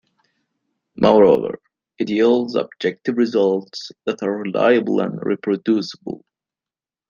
Moreover, it yields objective results that are reliable and reproducible.